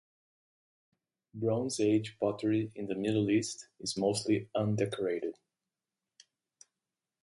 Bronze Age pottery in the Middle East is mostly undecorated.